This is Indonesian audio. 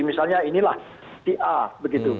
misalnya inilah si a begitu